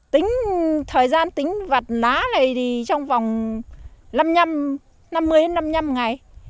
tính thời gian tính vặt lá này thì trong vòng năm mươi đến năm mươi năm ngày